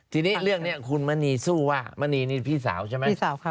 ทีนี้เรื่องนี้คุณมณีสู้ว่ามณีนี่พี่สาวใช่ไหม